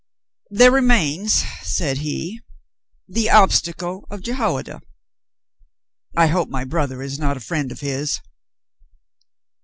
"There remains," said he, "the obstacle of Jehoiada. I hope my brother is not a friend of his."